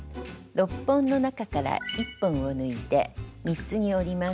６本の中から１本を抜いて３つに折ります。